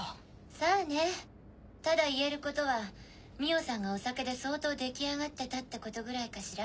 さぁねただ言えることは美緒さんがお酒で相当出来上がってたってことぐらいかしら。